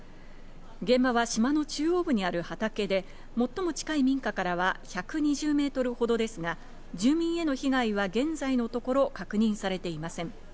現場は島の中央部にある畑で、最も近い民家からは１２０ｍほどですが住民への被害は現在のところ確認されていません。